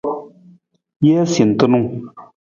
Jee sentunung.